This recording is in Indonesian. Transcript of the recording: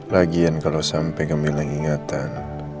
lagian kalau sampai kamu bilang ingatan